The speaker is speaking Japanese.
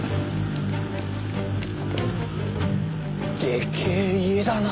でけえ家だな。